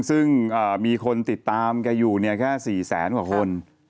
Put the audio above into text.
ซึ่งมีคนติดตามแกอยู่เนี่ยแค่๔แสนกว่าคน